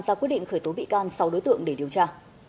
ra quyết định khởi tố bị can sáu đối tượng để điều tra